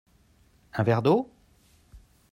Un verre d'eau ?